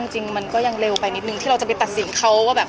จริงมันก็ยังเร็วไปนิดนึงที่เราจะไปตัดสินเขาว่าแบบ